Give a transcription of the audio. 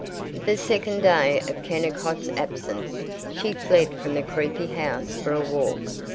The second day of Kennicott's absence. She fled from the creepy house for a walk.